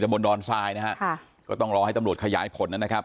ทำบลดอนไซน์นะฮะค่ะก็ต้องรอให้ตำลวดขยายผลนะนะครับ